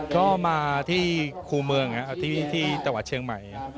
ก็มาที่คู่เมืองที่ตระหวัดเชียงใหม่